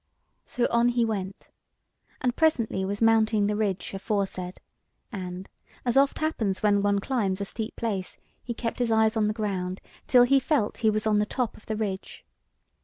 So on he went, and presently was mounting the ridge aforesaid, and, as oft happens when one climbs a steep place, he kept his eyes on the ground, till he felt he was on the top of the ridge.